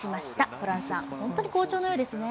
ホランさん、本当に好調のようですね。